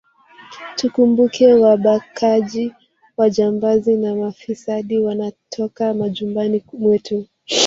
Tukumbuke wabakaji majambazi na mafisadi wanatoka majumbani mwetu